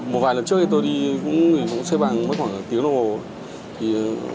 một vài lần trước tôi đi cũng xếp bằng khoảng một tiếng đồng hồ